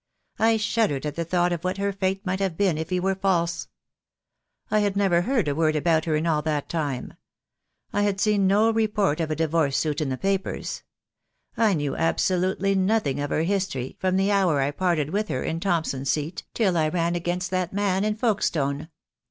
I shuddered at the thought of what her fate might have been if he were false. I had never heard a word about her in all that time. I had seeen no report of a Divorce suit in the papers. I knew absolutely nothing of her history from the hour I parted with her by Thomson's Seat till I ran against that man in Folkestone.